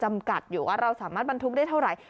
จำกัดอยู่ว่าเราสามารถบรรทุกได้เท่าไหร่